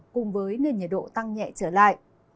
cùng với nền nhiệt độ tăng nhẹ trở lại